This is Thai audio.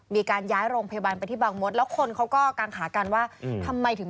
มีการย้ายโรงพยาบาลไปที่บางมดแล้วคนเขาก็กางขากันว่าทำไมถึง